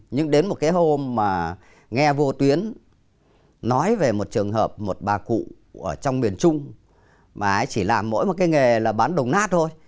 nói về một trường hợp một bà cụ ở trong miền trung mà chỉ làm mỗi một cái nghề là bán đồng nát thôi